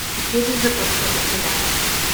The pages of the book flipped upside down.